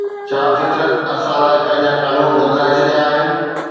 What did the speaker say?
ڇا فطرت اسان لاءِ پنهنجا قانون بدلائي ڇڏيا آهن؟